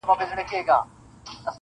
حقيقت بايد ومنل سي دلته,